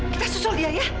kita susul dia ya